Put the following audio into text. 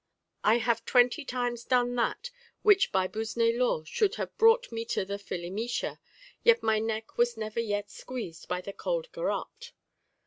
_ I have twenty times done that which by Busné law should have brought me to the filimicha, yet my neck has never yet been squeezed by the cold garrote.